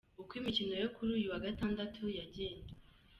Uko imikino yo kuri uyu wa Gatandatu yagenze.